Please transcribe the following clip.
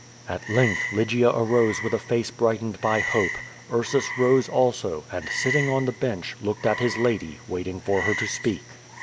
At length Lygia arose with a face briglitened by hope. Ursus rose also, and, sitting on the bench, looked at his lady, waiting for her to speak.